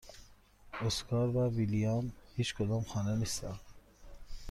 اسکار و ویلیام هیچکدام خانه نیستند.